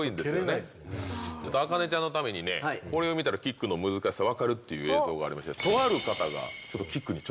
茜ちゃんのためにこれを見たらキックの難しさが分かるって映像がある。